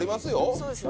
そうですよね。